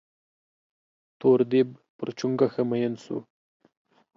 تور ديب پر چونگوښه مين سو.